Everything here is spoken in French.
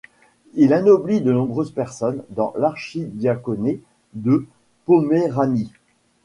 Il anoblit de nombreuses personnes dans l’archidiaconé de Poméranie.